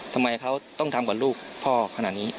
ทำไมเขาต้องทำกับลูกพ่อขนาดนี้